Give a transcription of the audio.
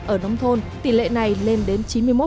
ở nông thôn tỷ lệ này lên đến chín mươi một